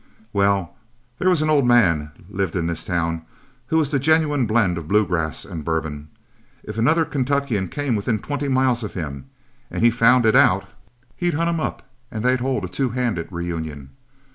"Well, there was an old man lived in this town, who was the genuine blend of bluegrass and Bourbon. If another Kentuckian came within twenty miles of him, and he found it out, he'd hunt him up and they'd hold a two handed reunion.